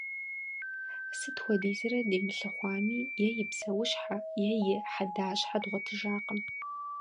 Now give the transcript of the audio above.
Сыт хуэдизрэ дымылъыхъуами, е и псэущхьэ е и хьэдащхьэ дгъуэтыжакъым.